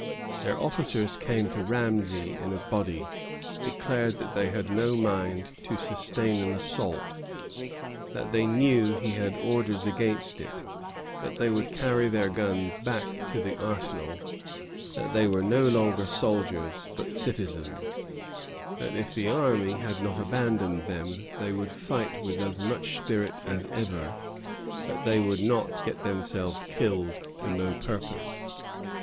Their officers came to Ramesay in a body; declared that they had no mind to sustain an assault; that they knew he had orders against it; that they would carry their guns back to the arsenal; that they were no longer soldiers, but citizens; that if the army had not abandoned them they would fight with as much spirit as ever; but that they would not get themselves killed to no purpose.